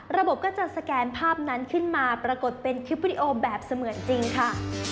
ระบบก็จะสแกนภาพนั้นขึ้นมาปรากฏเป็นคลิปวิดีโอแบบเสมือนจริงค่ะ